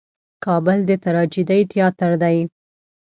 کابل د ټراجېډي تیاتر دی.